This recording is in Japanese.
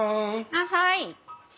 あっはい！